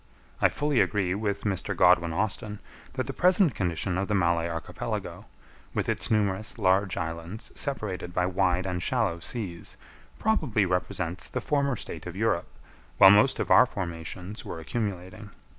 I fully agree with Mr. Godwin Austen, that the present condition of the Malay Archipelago, with its numerous large islands separated by wide and shallow seas, probably represents the former state of Europe, while most of our formations were accumulating.